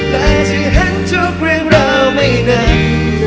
แต่จะเห็นทุกเรื่องเราไม่นานนาน